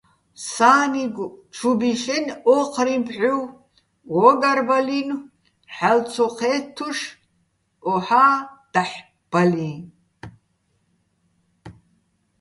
სა́ნიგო ჩუ ბიშენი̆ ო́ჴრიჼ ფჰ̦უ, გო́გარბალინო̆, ჰ̦ალო̆ ცო ჴე́თთუშ, ოჰა́ დაჰ̦ ბალიჼ.